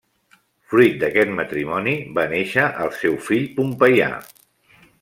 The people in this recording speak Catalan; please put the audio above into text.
Fruit d'aquest matrimoni va néixer el seu fill Pompeià.